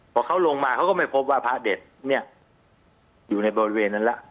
พอเขาลงมาเขาก็ไม่พบว่าพระเด็ดเนี่ยอยู่ในบริเวณนั้นแล้ว